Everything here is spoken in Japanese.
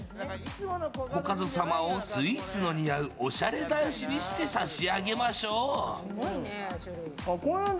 コカド様をスイーツの似合うおしゃれ男子にしてさしあげましょう。